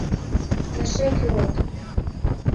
Эше кӱлыт!